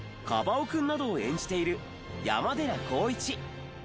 お君などを演じている山寺宏一。